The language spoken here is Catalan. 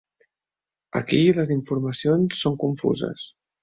Aquí les informacions són confuses.